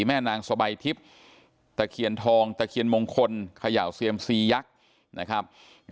แม่นางสบายทิพย์ตะเคียนทองตะเคียนมงคลเขย่าเซียมซียักษ์นะครับ